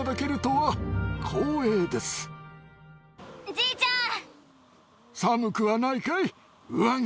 じいちゃん！